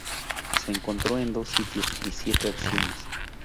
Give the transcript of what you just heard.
Se encontró en dos sitios y siete acciones.